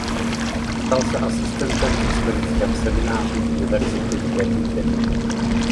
Stal se asistentem v Historickém semináři univerzity v Göttingenu.